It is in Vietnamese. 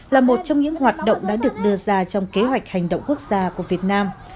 là một trong những hoạt động đã được đưa ra trong kế hoạch hành động quốc gia của việt nam